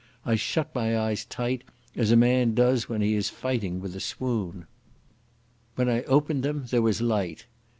I shut my eyes tight, as a man does when he is fighting with a swoon. When I opened them there was light.